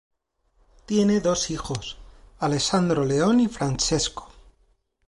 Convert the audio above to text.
Tiene dos hijos: Alessandro Leon y Francesco.